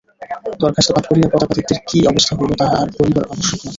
দরখাস্ত পাঠ করিয়া প্রতাপাদিত্যের কী অবস্থা হইল তাহা আর বলিবার আবশ্যক করে না।